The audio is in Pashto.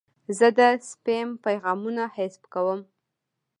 زه د سپیم پیغامونه حذف کوم.